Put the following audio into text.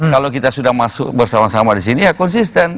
kalau kita sudah masuk bersama sama di sini ya konsisten